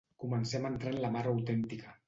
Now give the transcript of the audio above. Comencem a entrar en la mar autèntica.